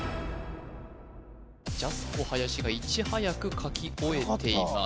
ジャスコ林がいち早く書き終えています